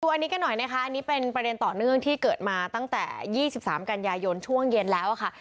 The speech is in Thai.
อันนี้กันหน่อยนะคะอันนี้เป็นประเด็นต่อเนื่องที่เกิดมาตั้งแต่๒๓กันยายนช่วงเย็นแล้วค่ะ